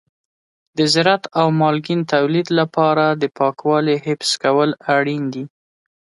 د زراعت او مالګین تولید لپاره د پاکوالي حفظ کول اړین دي.